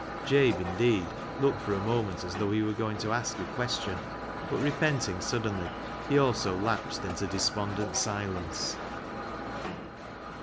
Jabe, indeed, looked for a moment as though he were going to ask a question, but repenting suddenly, he also lapsed into despondent silence.